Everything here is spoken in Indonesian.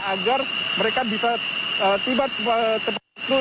agar mereka bisa tiba tepat itu